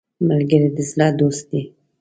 ملګری د زړه دوست دی